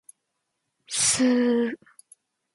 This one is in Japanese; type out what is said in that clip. スー